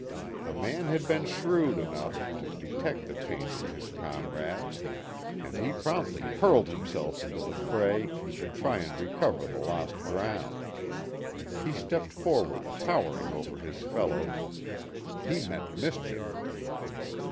The man had been shrewd enough to detect the change in his comrades, and he promptly hurled himself into the fray to try and recover the lost ground. He stepped forward, towering over his fellows. He meant mischief.